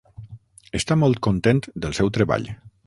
Està molt content del seu treball.